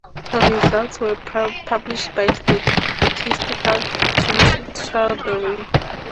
Results were published by the Statistical Central Bureau.